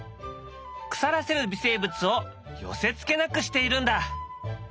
腐らせる微生物を寄せつけなくしているんだ。